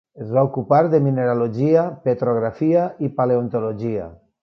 Es va ocupar de mineralogia, petrografia i paleontologia.